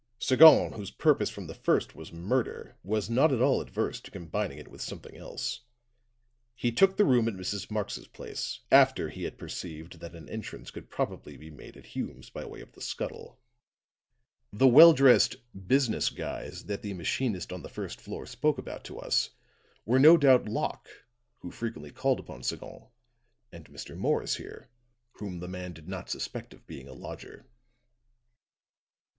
"Sagon, whose purpose from the first was murder, was not at all averse to combining it with something else. He took the room at Mrs. Marx's place, after he had perceived that an entrance could probably be made at Hume's by way of the scuttle. The well dressed 'business guys' that the machinist on the first floor spoke about to us, were no doubt Locke, who frequently called upon Sagon, and Mr. Morris here, whom the man did not suspect of being a lodger.